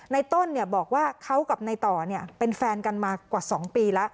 ในต้นบอกว่าเขากับในต่อเป็นแฟนกันมากว่า๒ปีแล้ว